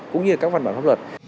cũng như các văn bản pháp luật